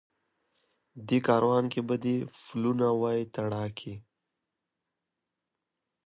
دې کاروان کي به دي پلونه وای تڼاکي